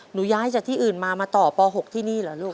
ย้ายจากที่อื่นมามาต่อป๖ที่นี่เหรอลูก